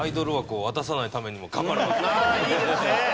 ああいいですね！